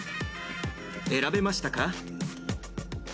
選べましたか。